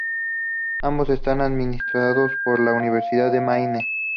Ambos están administrados por la Universidad de Maine.